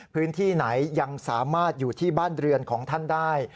พื้นที่ไหนยังสามารถอยู่ที่บ้านเรือนของท่านได้